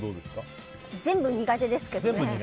全部、苦手ですけどね。